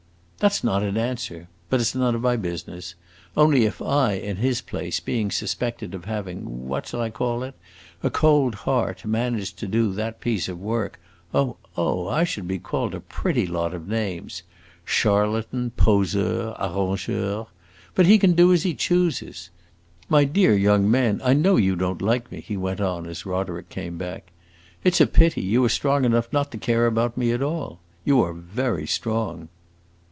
"That 's not an answer! But it 's none of my business. Only if I, in his place, being suspected of having what shall I call it? a cold heart, managed to do that piece of work, oh, oh! I should be called a pretty lot of names. Charlatan, poseur, arrangeur! But he can do as he chooses! My dear young man, I know you don't like me," he went on, as Roderick came back. "It 's a pity; you are strong enough not to care about me at all. You are very strong."